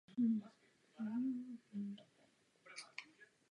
Jak víte, Evropu opět zásahly povodně.